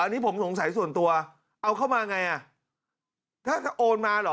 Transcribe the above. อันนี้ผมสงสัยส่วนตัวเอาเข้ามาไงอ่ะถ้าจะโอนมาเหรอ